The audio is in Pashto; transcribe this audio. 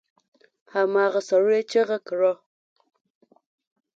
هماغه سړي چيغه کړه!